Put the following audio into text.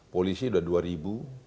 polisi sudah dua ribu